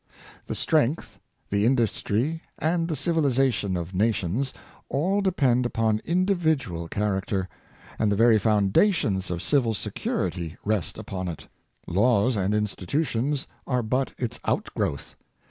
The strength, the industry, and the civilization of nations — all depend upon individual char acter; and the very foundations of civil security rest upon it. Laws and institutions are but its outgrowth.